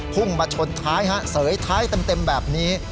พุ่งมาชนท้ายฮะเสยท้ายเต็มแบบนี้